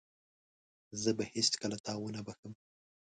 زه به هيڅکله تا ونه بخښم.